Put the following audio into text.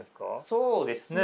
そうですね。